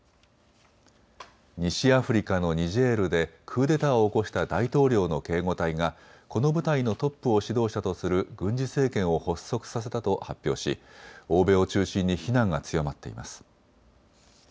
西アフリカのニジェールでクーデターを起こした大統領の警護隊がこの部隊のトップを指導者とする軍事政権を発足させたと発表し欧米を中心に非難が強まっています。